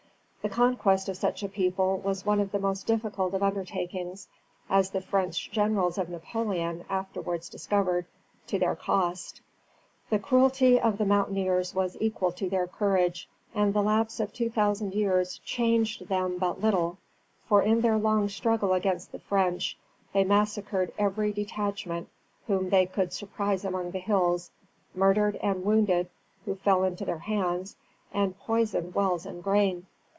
The conquest of such a people was one of the most difficult of undertakings, as the French generals of Napoleon afterwards discovered, to their cost. The cruelty of the mountaineers was equal to their courage, and the lapse of two thousand years changed them but little, for in their long struggle against the French they massacred every detachment whom they could surprise among the hills, murdered the wounded who fell into their hands, and poisoned wells and grain.